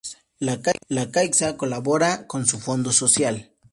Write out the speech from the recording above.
La Caixa colabora con su fondo social.